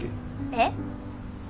えっ？